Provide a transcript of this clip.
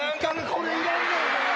これいらんねん！